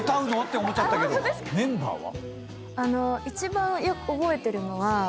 一番覚えてるのは。